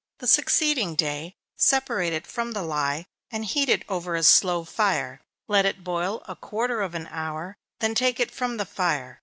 The succeeding day, separate it from the lye, and heat it over a slow fire. Let it boil a quarter of an hour, then take it from the fire.